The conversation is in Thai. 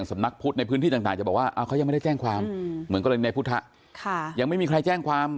ไม่ได้แจ้งความเหมือนกรณีในพุทธศาสตร์ยังไม่มีใครแจ้งความ